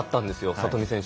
里見選手。